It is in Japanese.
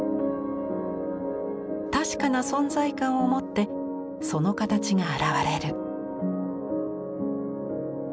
確かな存在感を持ってその形が現れる。